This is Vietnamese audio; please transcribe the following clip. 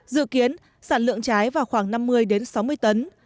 dự kiến sản lượng trái vào khoảng năm mươi sáu mươi tấn